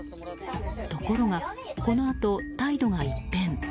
ところが、このあと態度が一変。